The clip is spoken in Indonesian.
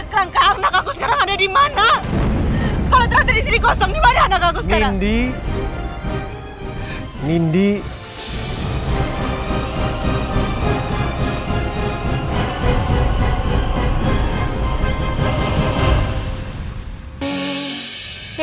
kerangka anak aku sekarang ada dimana